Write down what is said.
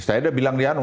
saya udah bilang di anu